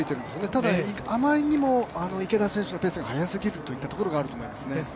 ただあまりにも池田選手のペースが速すぎるというところがあると思いますね。